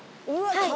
「はい。